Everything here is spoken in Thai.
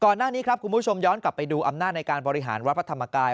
หน้านี้ครับคุณผู้ชมย้อนกลับไปดูอำนาจในการบริหารวัดพระธรรมกาย